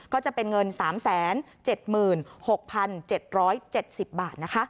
ก็จะเป็นเงิน๓๗๖๗๗๐บาทนะคะ